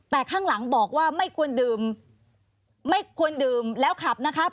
แต่ข้างหลังบอกว่าไม่ควรดื่มไม่ควรดื่มแล้วขับนะครับ